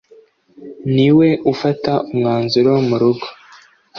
niwe ufata umwanzuro mu rugo,